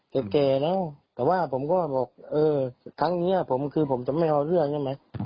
แก่แล้วแต่ว่าผมก็บอกเออครั้งนี้ผมคือผมจะไม่เอาเรื่องใช่ไหม